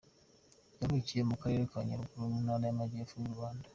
Yavukiye mu karere ka Nyaruguru mu ntara y’Amajyepfo y’u Rwanda.